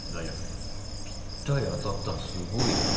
ぴったり当たったらすごいよね。